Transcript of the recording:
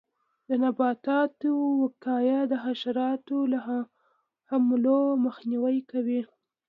د نباتاتو وقایه د حشراتو له حملو مخنیوی کوي.